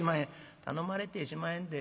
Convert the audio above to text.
「『頼まれてしまへん』て。